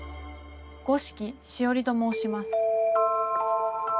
五色しおりと申します。